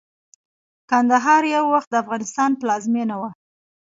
کندهار يٶوخت دافغانستان پلازمينه وه